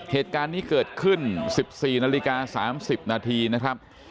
เหตุการณ์นี้เกิดขึ้น๑๔นาฬิกา๓๐นาทีนะครับ